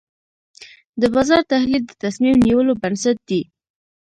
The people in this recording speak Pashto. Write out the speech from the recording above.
د بازار تحلیل د تصمیم نیولو بنسټ دی.